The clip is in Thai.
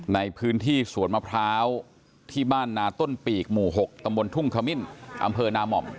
ในพื้นที่สวนมะพร้าวที่บ้านนาต้นปีกหมู่๖ตำบลทุ่งขมิ้นอำเภอนาม่อม